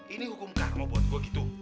ini hukum karmo buat gua gitu